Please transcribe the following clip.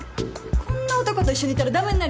こんな男と一緒にいたら駄目になるよ。